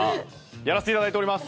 やらせていただいております。